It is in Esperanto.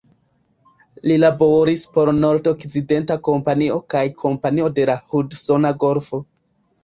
Li laboris por Nord-Okcidenta Kompanio kaj Kompanio de la Hudsona Golfo.